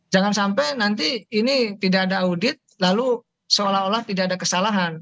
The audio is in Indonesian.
jangan sampai nanti ini tidak ada audit lalu seolah olah tidak ada kesalahan